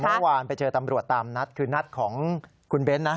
เมื่อวานไปเจอตำรวจตามนัดคือนัดของคุณเบ้นนะ